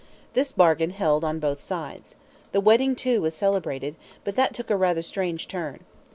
This bargain held on both sides. The wedding, too, was celebrated, but that took rather a strange turn.